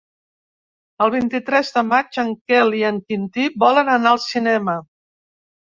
El vint-i-tres de maig en Quel i en Quintí volen anar al cinema.